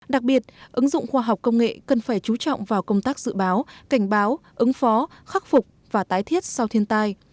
đặc biệt ứng dụng khoa học công nghệ cần phải chú trọng vào công tác dự báo cảnh báo ứng phó khắc phục và tái thiết sau thiên tai